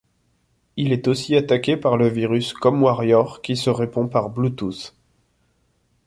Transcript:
Il est aussi attaqué par le virus CommWarrior qui se répand par Bluetooth.